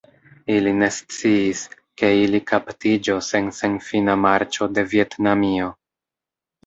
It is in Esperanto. Ili ne sciis, ke ili kaptiĝos en senfina marĉo de Vjetnamio.